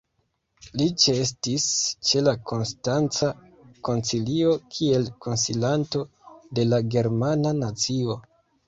Li ĉeestis ĉe la Konstanca Koncilio kiel konsilanto de la "germana nacio".